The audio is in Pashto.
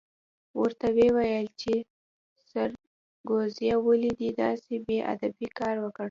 ورته ویې ویل چې سرکوزیه ولې دې داسې بې ادبه کار وکړ؟